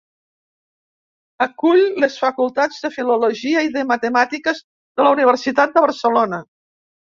Acull les facultats de Filologia i de Matemàtiques de la Universitat de Barcelona.